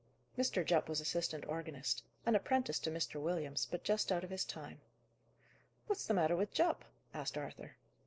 Mr. Jupp was assistant organist. An apprentice to Mr. Williams, but just out of his time. "What's the matter with Jupp?" asked Arthur.